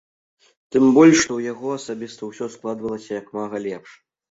Тым больш, што ў яго асабіста ўсё складвалася як мага лепш.